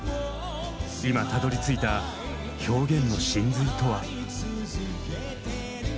今たどり着いた「表現の神髄」とは。